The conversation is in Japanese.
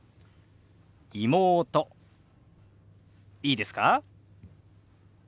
いいですか？